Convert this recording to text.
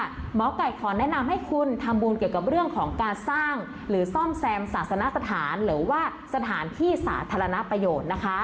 หมอไก่ขอแนะนำให้คุณทำบุญเกี่ยวกับเรื่องของการสร้างหรือซ่อมแซมศาสนสถานหรือว่าสถานที่สาธารณประโยชน์นะคะ